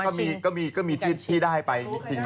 เพราะว่าตอนนี้ก็ไม่มีใครไปข่มครูฆ่า